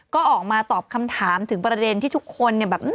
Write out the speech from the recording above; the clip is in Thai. ก็ออกมาตอบคำถามถึงประเด็นที่ทุกคนเนี่ยแบบ